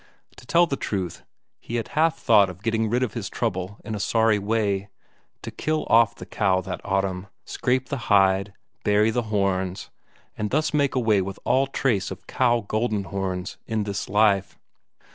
To tell the truth, he had half thought of getting rid of his trouble in a sorry way; to kill off the cow that autumn, scrape the hide, bury the horns, and thus make away with all trace of Cow Goldenhorns in this life.